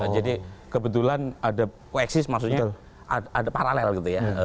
jadi kebetulan ada koeksis maksudnya ada paralel gitu ya